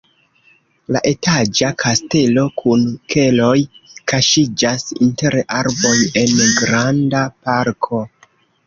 La etaĝa kastelo kun keloj kaŝiĝas inter arboj en granda parko.